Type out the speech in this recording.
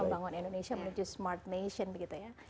membangun indonesia menuju smart nation begitu ya